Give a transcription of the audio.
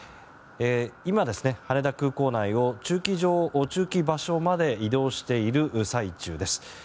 今、羽田空港内を駐機場所まで移動している最中です。